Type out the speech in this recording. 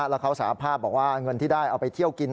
แล้วเขาสาภาพบอกว่าเงินที่ได้เอาไปเที่ยวกิน